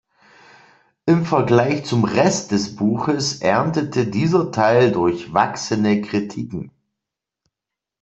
Im Vergleich zum Rest des Buches erntete dieser Teil durchwachsene Kritiken.